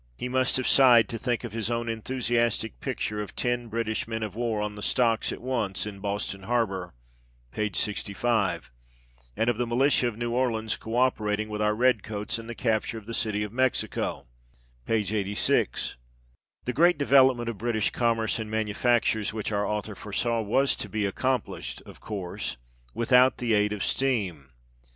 He must have sighed to think of his own enthusiastic picture of ten British men of war on the stocks at once in Boston Harbour (p. 65), and of the militia of New Orleans co operating with our red coats in the capture of the city of Mexico (p. 86). The great development of British commerce and manufactures which our author foresaw was to be accomplished of course without the aid of steam.